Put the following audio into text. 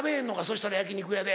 そしたら焼き肉屋で。